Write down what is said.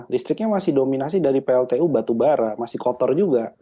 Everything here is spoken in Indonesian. listriknya masih dominasi dari pltu batubara masih kotor juga